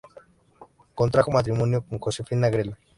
Contrajo matrimonio con Josefina Grela.